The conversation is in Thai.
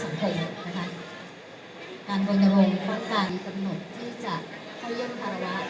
การเที่ยวสังคมนะครับการบรรยาโมงความการดีกับหนุ่มที่จะเข้าเยี่ยมธรรมวา